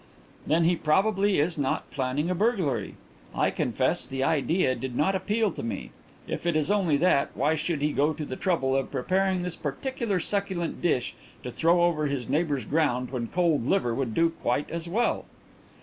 "Then he probably is not planning a burglary. I confess that the idea did not appeal to me. If it is only that, why should he go to the trouble of preparing this particular succulent dish to throw over his neighbour's ground when cold liver would do quite as well?"